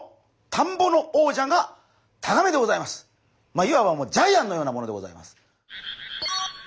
まあいわばジャイアンのようなものでございます。